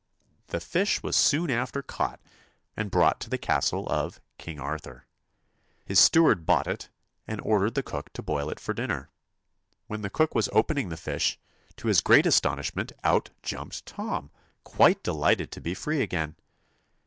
The fish was soon after caught, and brought to the castle of King Arthur. His steward bought it and ordered the cook to boil it for dinner. When the cook was opening the fish, to his great aston 202 ishment out jumped Tom, quite delighted to t>e TOM free again.